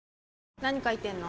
何書いてんの？